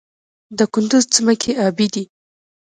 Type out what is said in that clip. د کندز ځمکې ابي دي